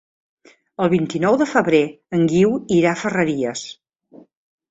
El vint-i-nou de febrer en Guiu irà a Ferreries.